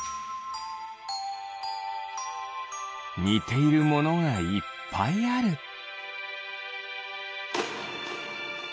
にているものがいっぱいある。